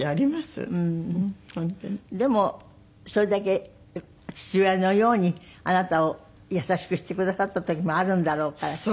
でもそれだけ父親のようにあなたを優しくしてくださった時もあるんだろうから。